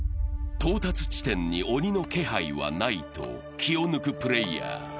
到達地点に鬼の気配はないと気を抜くプレーヤー。